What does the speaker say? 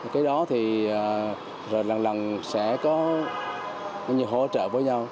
cái đó thì lần lần sẽ có hỗ trợ với nhau